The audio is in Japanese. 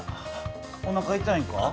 おなかいたいんか？